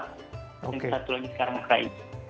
dan satu lagi sekarang ukraina